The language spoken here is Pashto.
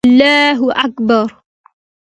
الله اکبر